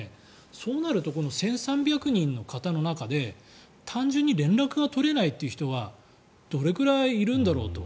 そうなると１３００人の方の中で単純に連絡が取れないという人がどれくらいいるんだろうと。